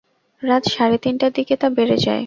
রাত সাড়ে তিনটার দিকে তা বেড়ে যায়।